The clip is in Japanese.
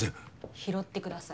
拾ってください。